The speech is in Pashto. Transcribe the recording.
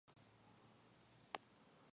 هغوی د خوراکي توکو لپاره مهاجرت کاوه.